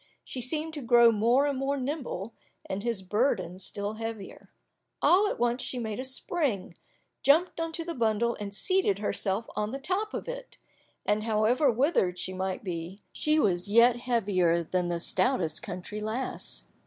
She seemed to grow more and more nimble, and his burden still heavier. All at once she made a spring, jumped on to the bundle and seated herself on the top of it; and however withered she might be, she was yet heavier than the stoutest country lass.